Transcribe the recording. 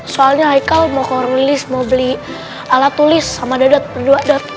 soalnya haikal mau korlis mau beli alat tulis sama dadat berdua dadat